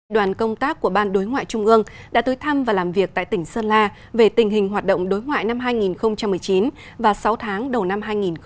đoàn công tác của ban đối ngoại trung ương đã tới thăm và làm việc tại tỉnh sơn la về tình hình hoạt động đối ngoại năm hai nghìn một mươi chín và sáu tháng đầu năm hai nghìn hai mươi